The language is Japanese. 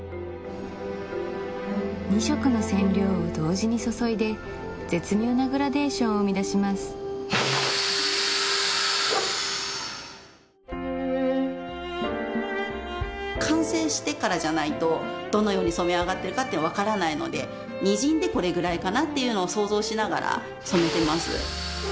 ２色の染料を同時に注いで絶妙なグラデーションを生み出します完成してからじゃないとどのように染め上がってるかって分からないのでにじんでこれぐらいかなっていうのを想像しながら染めてます